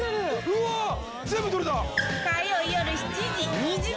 うわ全部取れた！